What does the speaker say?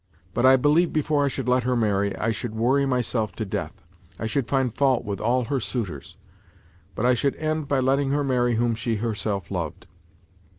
But I believe before I should let her marry, I should worry myself to death ; I should find fault with all her suitors. But I should end by letting her marry whom she herself loved.